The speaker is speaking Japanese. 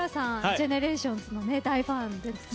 ＧＥＮＥＲＡＴＩＯＮＳの大ファンで。